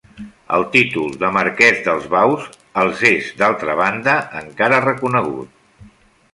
El títol de Marquès dels Baus els és d'altra banda encara reconegut.